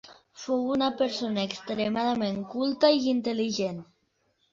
Fou una persona extremadament culta i intel·ligent.